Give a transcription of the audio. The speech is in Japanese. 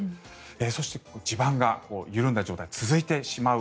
そして地盤が緩んだ状態が続いてしまう。